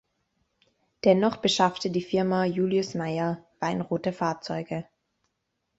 Dennoch beschaffte die Firma "Julius Meier" weinrote Fahrzeuge.